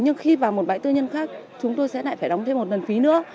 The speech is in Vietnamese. nhưng khi vào một bãi tư nhân khác chúng tôi sẽ lại phải đóng thêm một lần phí nữa